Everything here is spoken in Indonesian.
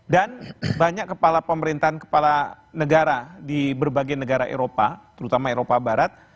dan banyak kepala pemerintahan kepala negara di berbagai negara eropa terutama eropa barat